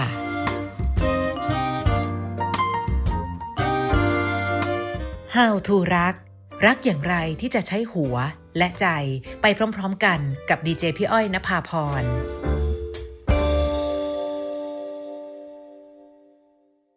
โปรดติดตามตอนต่อไป